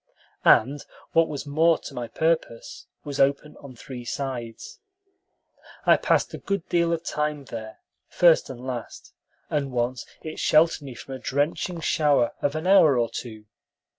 and, what was more to my purpose, was open on three sides. I passed a good deal of time there, first and last, and once it sheltered me from a drenching shower of an hour or two.